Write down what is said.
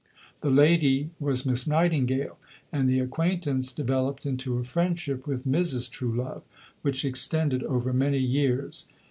The lady was Miss Nightingale, and the acquaintance developed into a friendship with Mrs. Truelove, which extended over many years.